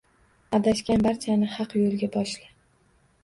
Adashgan barchani haq yo‘lga boshla